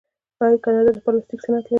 آیا کاناډا د پلاستیک صنعت نلري؟